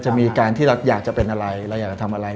จะมีการที่เราอยากจะเป็นอะไรเราอยากจะทำอะไร